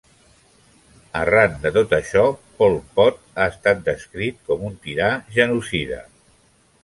Arran de tot això, Pol Pot ha estat descrit com "un tirà genocida".